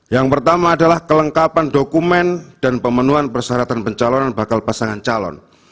yang pertama adalah kelengkapan dokumen dan pemenuhan persyaratan pencalonan bakal pasangan calon